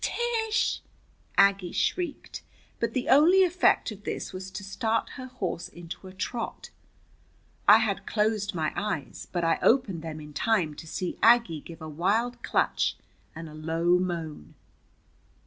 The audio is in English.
"Tish!" Aggie shrieked. But the only effect of this was to start her horse into a trot. I had closed my eyes, but I opened them in time to see Aggie give a wild clutch and a low moan.